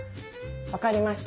わかりました。